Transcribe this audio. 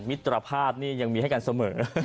มิตรภาพนี่ยังมีให้กันเสมอ